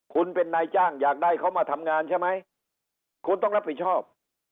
คุณเป็นนายจ้างอยากได้เขามาทำงานใช่ไหมคุณต้องรับผิดชอบ